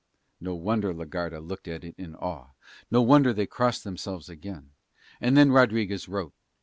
No wonder la Garda looked at it in awe, no wonder they crossed themselves again: and then Rodriguez wrote.